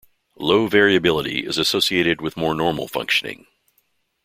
Low variability is associated with more normal functioning.